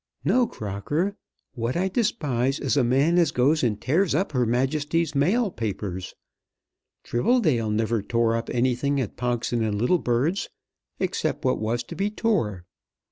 "No, Crocker. What I despise is a man as goes and tears up Her Majesty's Mail papers. Tribbledale never tore up anything at Pogson and Littlebird's, except what was to be tore.